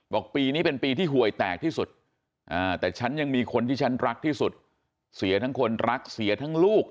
ปีนี้เป็นปีที่หวยแตกที่สุดแต่ฉันยังมีคนที่ฉันรักที่สุดเสียทั้งคนรักเสียทั้งลูก